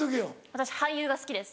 私俳優が好きです。